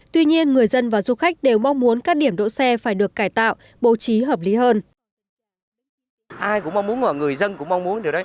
tuy nhiên người dân và du khách đều mong muốn các điểm đỗ xe phải được cải tạo bố trí hợp lý hơn